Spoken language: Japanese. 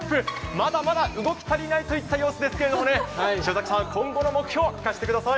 まだまだ動き足りないといった様子ですけれどもね、今後の目標、聞かせてください。